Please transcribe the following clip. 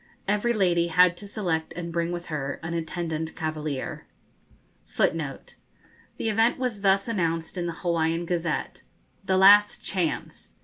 Every lady had to select and bring with her an attendant cavalier. [Footnote 14: The event was thus announced in the 'Hawaiian Gazette:' 'THE LAST CHANCE.